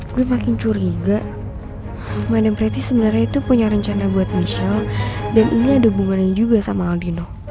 gue makin curiga mindam pretty sebenarnya itu punya rencana buat michelle dan ini ada hubungannya juga sama aldino